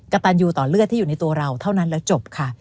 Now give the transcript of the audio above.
กระตันยูต่อเลือดที่อยู่ในตัวเราเท่านั้นและจบค่ะ